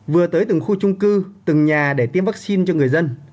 vừa tới từng khu trung cư từng nhà để tiêm vaccine cho người dân